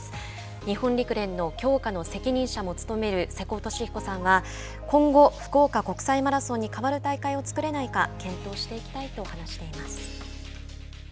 日本陸連の強化の責任者も務める瀬古利彦さんは今後、福岡国際マラソンに変わる大会を作れないか検討していきたいと話しています。